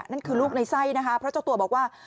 นั่นคือลูกในไส้นะคะเพราะเจ้าตัวบอกว่า